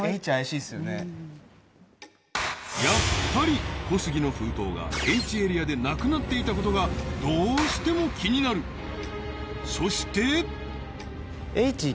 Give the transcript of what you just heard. やっぱり小杉の封筒がＨエリアでなくなっていたことがどうしても気になるそして！